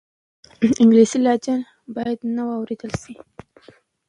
انګلیسي لهجه باید نه واورېدل سي.